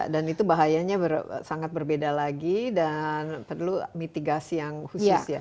dan itu bahayanya sangat berbeda lagi dan perlu mitigasi yang khusus ya